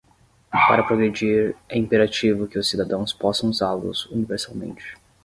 Para progredir, é imperativo que os cidadãos possam usá-los universalmente.